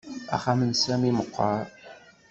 Axxam n Sami meqqer